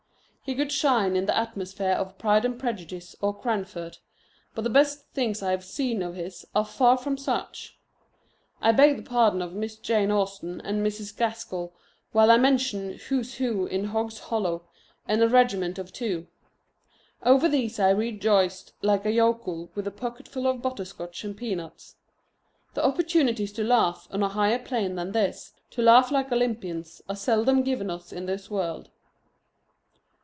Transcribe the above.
He could shine in the atmosphere of Pride and Prejudice or Cranford. But the best things I have seen of his are far from such. I beg the pardon of Miss Jane Austen and Mrs. Gaskell while I mention Who's Who in Hogg's Hollow, and A Regiment of Two. Over these I rejoiced like a yokel with a pocketful of butterscotch and peanuts. The opportunities to laugh on a higher plane than this, to laugh like Olympians, are seldom given us in this world.